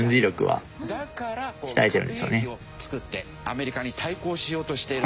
だから核兵器を作ってアメリカに対抗しようとしている。